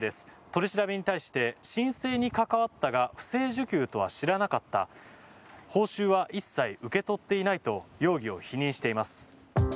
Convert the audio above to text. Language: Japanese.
取り調べに対して申請に関わったが不正受給とは知らなかった報酬は一切受け取っていないと容疑を否認しています。